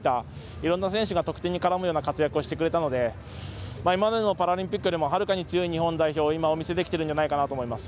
いろんな選手が得点に絡む活躍をしてくれたので今までのパラリンピックよりもはるかに強い日本代表をお見せできているんじゃないかなと思います。